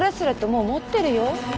もう持ってるよ？